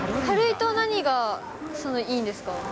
軽いと何がいいんですか？